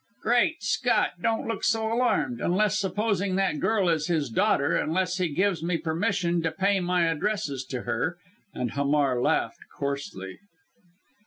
"Great Scott! Don't look so alarmed! Unless supposing that girl is his daughter unless he gives me permission to pay my addresses to her!" and Hamar laughed coarsely.